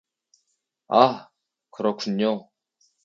아, 그렇군요.